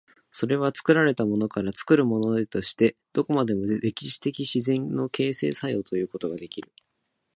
それは作られたものから作るものへとして、どこまでも歴史的自然の形成作用ということができる。